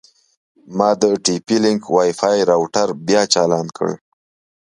ما د ټي پي لینک وای فای روټر بیا چالان کړ.